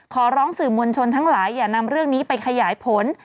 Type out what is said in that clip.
ขอร้องสื่อมวลชนทั้งหลายอย่านำเรื่องนี้ไปขยายผล